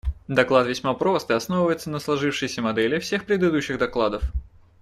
Доклад весьма прост и основывается на сложившейся модели всех предыдущих докладов.